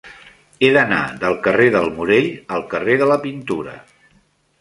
He d'anar del carrer del Morell al carrer de la Pintura.